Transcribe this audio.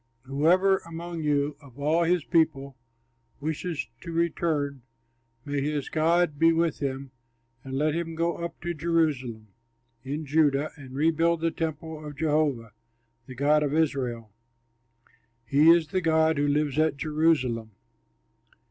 Whoever among you of all his people wishes to return, may his God be with him, and let him go up to Jerusalem, in Judah, and rebuild the temple of Jehovah, the God of Israel. (He is the God who lives at Jerusalem.)